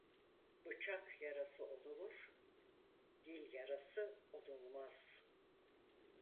Bıçak yarası onulur, dil yarası onulmaz.